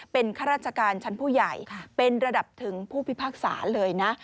เป็นข้าราชการชั้นผู้ใหญ่เป็นระดับถึงผู้พิพากษาเลยนะ